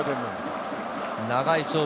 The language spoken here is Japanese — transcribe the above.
長い勝負。